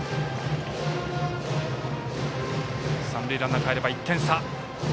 三塁ランナーかえれば１点差。